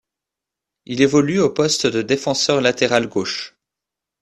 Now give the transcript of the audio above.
Il évolue au poste de défenseur latéral gauche.